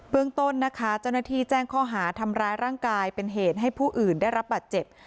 เรื่องต้นนะคะเจ้าหน้าที่แจ้งข้อหาทำร้ายร่างกายเป็นเหตุให้ผู้อื่นได้รับบาดเจ็บ